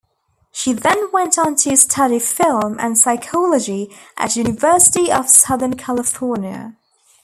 She then went on to study film and psychology at University of Southern California.